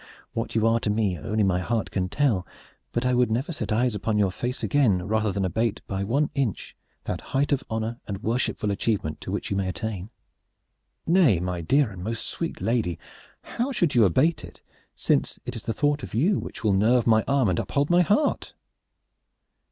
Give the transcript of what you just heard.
"What you are to me only my own heart can tell; but I would never set eyes upon your face again rather than abate by one inch that height of honor and worshipful achievement to which you may attain." "Nay, my dear and most sweet lady, how should you abate it, since it is the thought of you which will nerve my arm and uphold my heart?"